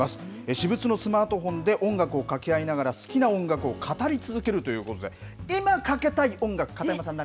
私物のスマートフォンで音楽をかけ合いながら、好きな音楽を語り続けるということで、今かけたい音楽、片山さん、何？